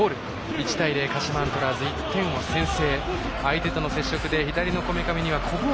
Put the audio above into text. １対０、鹿島アントラーズ１点を先制。